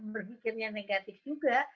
berpikirnya negatif juga